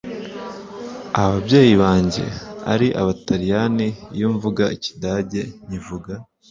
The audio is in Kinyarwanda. Ababyeyi banjye ari abataliyani iyo mvuga ikidage nkivuga